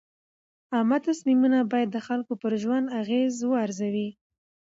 عامه تصمیمونه باید د خلکو پر ژوند اغېز وارزوي.